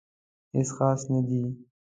هیڅ خاص نه دي